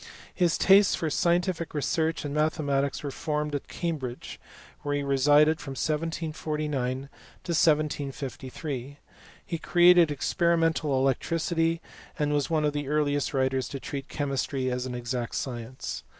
His tastes for scientific research and mathematics were formed at Cambridge, where he resided from 1749 to 1753. Recreated experimental electricity, and was one of the earliest writers to treat chemistry as an exact science.